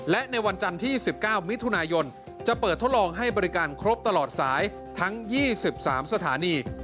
และในวันจันทร์ที่๑๙มิถุนายนจะเปิดทดลองให้บริการครบตลอดสายทั้ง๒๓สถานี